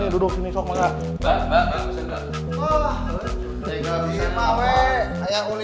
duduk sini sok makan